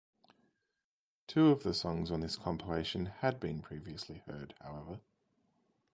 Two of the songs on this compilation had been previously heard, however.